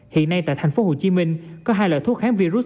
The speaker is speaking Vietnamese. hiện nay tại tp hcm có hai loại thuốc kháng virus